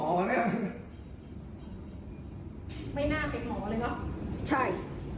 โหอันนี้หมอเนี้ยไม่น่าเป็นหมอเลยเหรอใช่